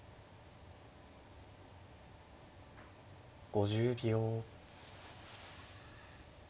５０秒。